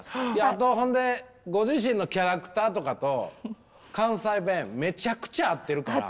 あとほんでご自身のキャラクターとかと関西弁めちゃくちゃ合ってるから。